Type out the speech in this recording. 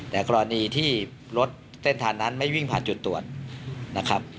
แต่กรณีที่รถแท่นธางมันไม่วิ่งผ่านจุดตรวจ